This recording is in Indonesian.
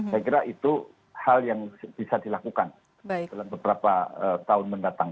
saya kira itu hal yang bisa dilakukan dalam beberapa tahun mendatang